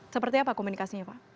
seperti apa komunikasinya pak